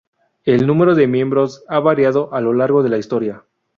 El número de miembros ha variado a lo largo de la historia.